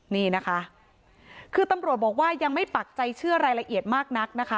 นี่นะคะคือตำรวจบอกว่ายังไม่ปักใจเชื่อรายละเอียดมากนักนะคะ